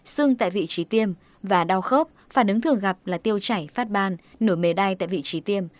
xương tại vị trí tiêm và đau khớp phản ứng thường gặp là tiêu chảy phát ban nổi mề đai tại vị trí tiêm